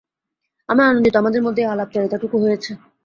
আমি আনন্দিত আমাদের মধ্যে এই আলাপচারিতাটুকু হয়েছে।